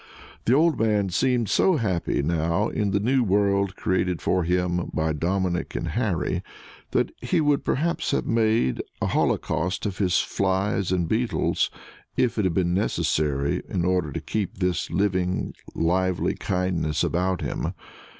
The old man seemed so happy now in the new world created for him by Dominic and Harry, that he would perhaps have made a holocaust of his flies and beetles if it had been necessary in order to keep this living, lively kindness about him.